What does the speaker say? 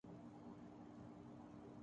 میں کس کے ہاتھ پر اپنا لہو تلاش کروں